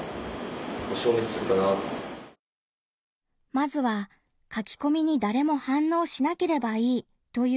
まずは「書きこみにだれも反応しなければいい」という意見。